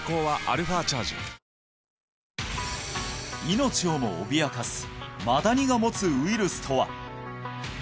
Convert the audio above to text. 命をも脅かすマダニが持つウイルスとは？